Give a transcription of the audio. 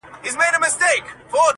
د وعدې خلاف روانه عقل بازه